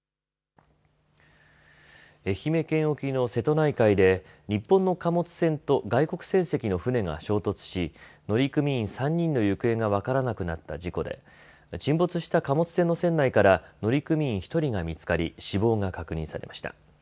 愛媛県沖の瀬戸内海で日本の貨物船と外国船籍の船が衝突し、乗組員３人の行方が分からなくなった事故で沈没した貨物船の船内から乗組員１人が見つかり死亡が確認されました。